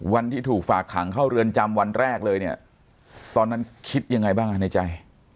วันที่ถูกฝากขังเข้าเรือนจำวันแรกเลยเนี่ยตอนนั้นคิดยังไงบ้างในใจ